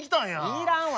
いらんわ。